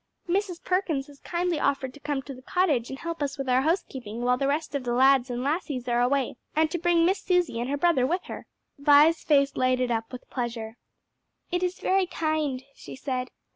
"Mrs. Perkins has kindly offered to come to the cottage and help us with our housekeeping while the rest of the lads and lassies are away, and to bring Miss Susie and her brother with her." Vi's face lighted up with pleasure. "It is very kind," she said.